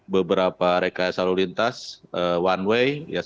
beberapa rekayasa yang diperlukan untuk mengembalikan kembali ke atas jalan tol